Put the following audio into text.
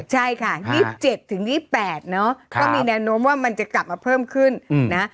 ใช่ค่ะ๒๗๒๘เนอะก็มีแนวโน้มว่ามันจะกลับมาเพิ่มขึ้นนะ